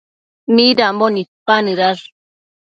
Midambo nidpanëdash?